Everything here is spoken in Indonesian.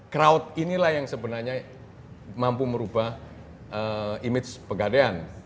crowd inilah yang sebenarnya mampu merubah image pegadaian